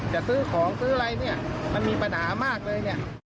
จะซื้อของซื้ออะไรมันมีปัญหามากเลย